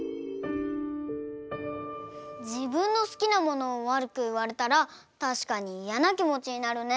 じぶんのすきなものをわるくいわれたらたしかにイヤなきもちになるね。